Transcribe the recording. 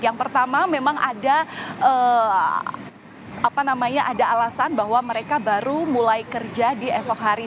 yang pertama memang ada alasan bahwa mereka baru mulai kerja di esok hari